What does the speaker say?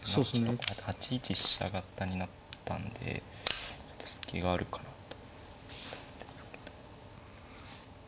ここで８一飛車型になったんで隙があるかなと思ったんですけども。